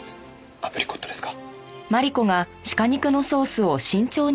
アプリコットですか？